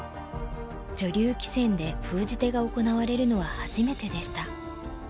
女流棋戦で封じ手が行われるのは初めてでした。